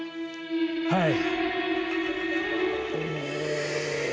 はい。